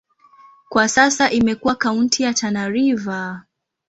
Kwa sasa imekuwa kaunti ya Tana River.